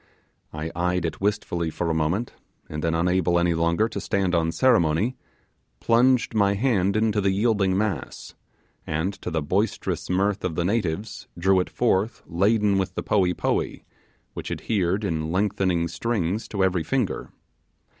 I eyed it wistfully for a moment, and then, unable any longer to stand on ceremony, plunged my hand into the yielding mass, and to the boisterous mirth of the natives drew it forth laden with the poee poee, which adhered in lengthy strings to every finger.